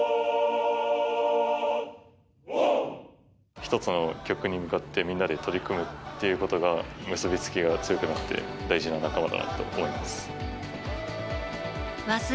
一つの曲に向かって、みんなで取り組むっていうことが、結び付きが強くなって、大事な仲間だなと思います。